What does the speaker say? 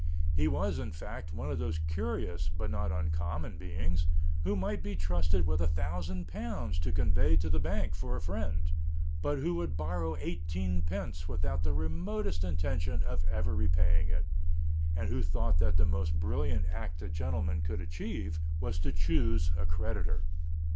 He was, in fact, one of those curious, but not uncommon beings, who might be trusted with a thousand pounds to convey to the bank for a friend, but who would borrow eighteen pence without the remotest intention of ever repaying it, and who thought that the most brilliant act a gentleman could achieve was to chouse a creditor.